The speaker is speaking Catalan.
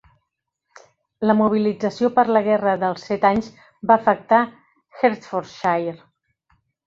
La mobilització per la guerra dels set anys va afectar Hertfordshire.